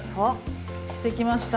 してきました。